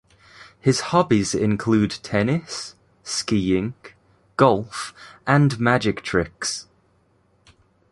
His hobbies include tennis, skiing, golf and magic tricks.